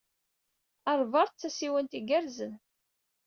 Harvard d tasdawit igerrzen.